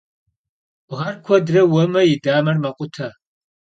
Bğer kuedre vueme yi damer mekhute.